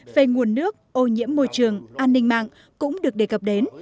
về nguồn nước ô nhiễm môi trường an ninh mạng cũng được đề cập đến